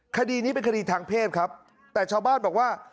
คดีนี้เป็นคดีทางเพศครับแต่ชาวบ้านบอกว่า